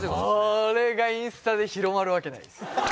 これがインスタで広まるわけないです